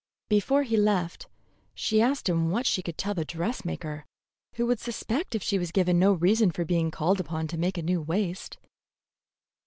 Before he left, she asked him what she could tell the dressmaker, who would suspect if she was given no reason for being called upon to make a new waist.